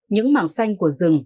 những mảng xanh của rừng